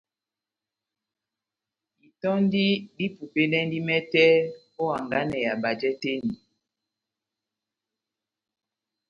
Itɔndi dipupedɛndi mɛtɛ ó hanganɛ ya bajɛ tɛ́h eni.